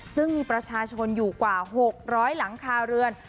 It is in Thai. ซึ่งมีประชาชนอยู่กว่า๖๐๐หลังคาเรือน